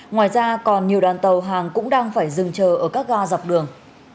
ngoài ra còn nhiều đoàn tàu hàng cũng đang phải dừng chờ ở các ga dọc đường